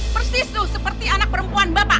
persis tuh seperti anak perempuan bapak